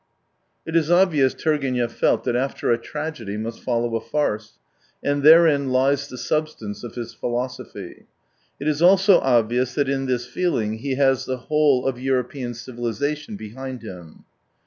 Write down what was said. It is otvious Turgenev felt that after a tragedy must follow a farce, and therein lies the substance oi his philosophy. It is also obvious that in this feeling he has the whole of European civilisation behind him.